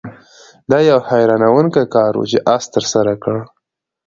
دا یو حیرانوونکی کار و چې آس ترسره کړ.